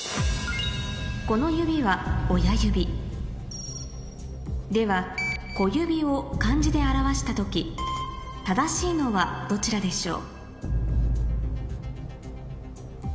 この指は親指では「こゆび」を漢字で表した時正しいのはどちらでしょう？